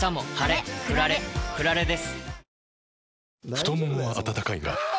太ももは温かいがあ！